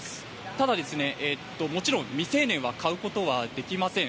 ただ、もちろん未成年は買うことはできません。